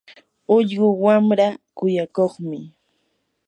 ullqu wamraa kuyakuqmi.